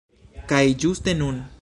Kaj ĝuste nun!